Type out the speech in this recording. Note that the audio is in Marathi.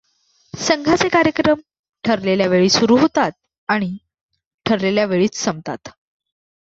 संघाचे कार्यक्रम ठरलेल्या वेळी सुरू होतात आणि ठरलेल्या वेळीच संपतात.